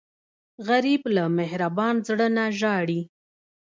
غریب له مهربان زړه نه ژاړي